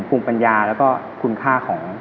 ภูมิปัญญาแล้วก็คุณค่าของ